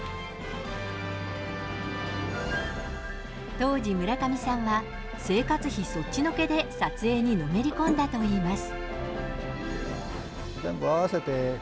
当時、村上さんは生活費そっちのけで撮影にのめり込んだといいます。